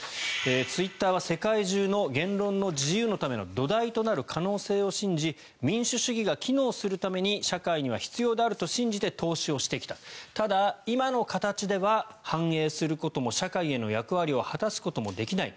ツイッターは世界中の言論の自由のための土台となる可能性を信じ民主主義が機能するために社会には必要であると信じて投資をしてきたただ、今の形では繁栄することも社会への役割を果たすこともできない。